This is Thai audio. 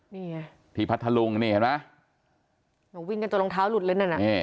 นี่ไงที่พัทธลุงนี่เห็นไหมหนูวิ่งกันจนรองเท้าหลุดเลยนั่นน่ะ